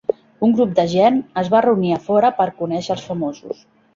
Un grup de gent es va reunir a fora per conèixer els famosos.